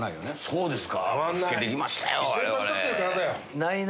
そうですか？